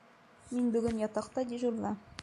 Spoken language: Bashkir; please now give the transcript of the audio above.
Мин бөгөн ятаҡта дежурҙа.